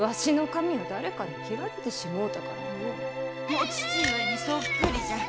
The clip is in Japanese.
お父上にそっくりじゃ。